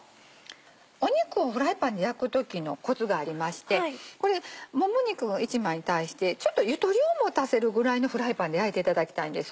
肉をフライパンで焼く時のコツがありましてもも肉１枚に対してちょっとゆとりを持たせるぐらいのフライパンで焼いていただきたいんです。